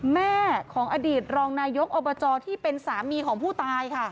แม่ของอดีตรองนายกอบจที่เป็นสามีของผู้ตายค่ะ